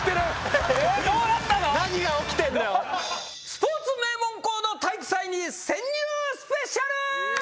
スポーツ名門校の体育祭に潜入ＳＰ！